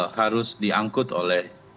harus diangkut oleh